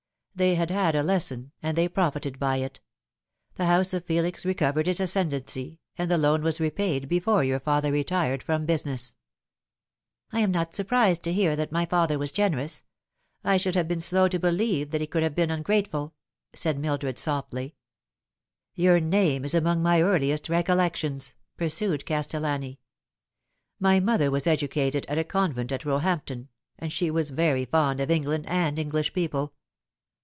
They bad had a lesson, and they profited by it. The house of Felix recovered its ascendency, atid the loan was repaid before your father retired from business." " I am not surprised to hear that my father was generous. I should have been slow to believe that he could have been ungrateful," said Mildred softly. " Your name is among my earliest recollections," pursued Castellani. " My mother was educated at a convent at Roe hampton, and she was very fond of England and English people.